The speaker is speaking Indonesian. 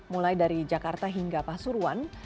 mulai dari jakarta hingga pasuruan